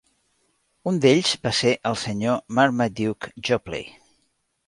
Un d'ells va ser el Sr. Marmaduke Jopley.